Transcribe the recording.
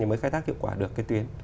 thì mới khai thác hiệu quả được cái tuyến